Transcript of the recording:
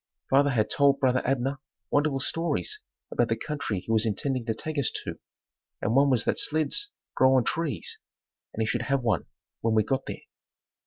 Father had told brother Abner wonderful stories about the country he was intending to take us to and one was that "sleds grow on trees" and he should have one when we got there.